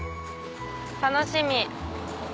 楽しみ。